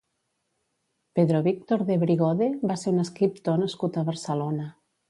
Pedro Víctor Debrigode va ser un escriptor nascut a Barcelona.